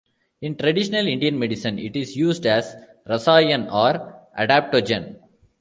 In traditional Indian medicine it is used as 'Rasayan' or adaptogen.